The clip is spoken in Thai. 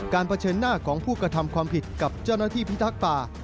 เผชิญหน้าของผู้กระทำความผิดกับเจ้าหน้าที่พิทักษ์ป่า